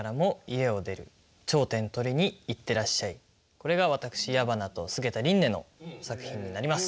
これが私矢花と菅田琳寧の作品になります。